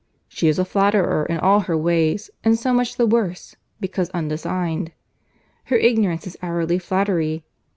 She is a flatterer in all her ways; and so much the worse, because undesigned. Her ignorance is hourly flattery.